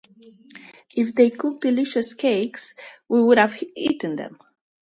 If they cooked delisious cakes, we would have eaten them.